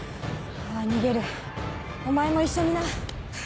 ああ逃げるお前も一緒にな。